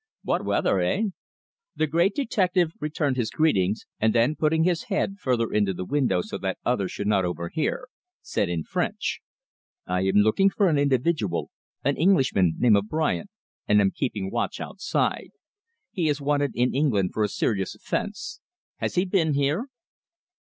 "What weather, eh?" The great detective returned his greetings, and then putting his head further into the window so that others should not overhear, said in French: "I am looking for an individual, an Englishman, name of Bryant, and am keeping watch outside. He is wanted in England for a serious offence. Has he been here?"